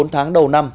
bốn tháng đầu năm